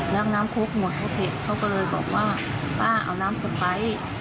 แล้วน้ำคลุกหมดเขาเผ็ดเขาก็เลยบอกว่าป้าเอาน้ำสะพ้าย